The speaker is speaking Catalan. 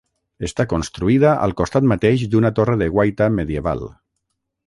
Està construïda al costat mateix d'una torre de guaita medieval.